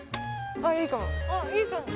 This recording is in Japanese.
あっいいかも。